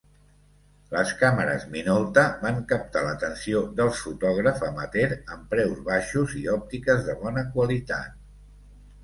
Les càmeres Minolta van captar l"atenció dels fotògraf amateur amb preus baixos i òptiques de bona qualitat.